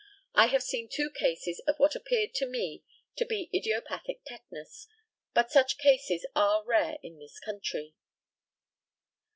I have seen two cases of what appeared to me to be idiopathic tetanus, but such cases are rare in this country.